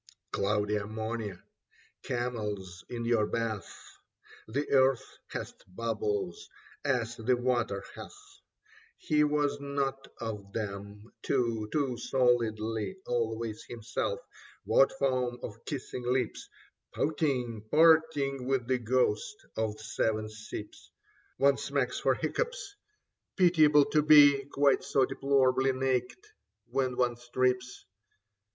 Cloudy ammonia, camels in your bath : The earth hath bubbles as the water hath : He was not of them, too, too solidly Always himself. What foam of kissing lips. Pouting, parting with the ghost of the seven sips One smacks for hiccoughs ! 6o Leda Pitiable to be Quite so deplorably naked when one strips.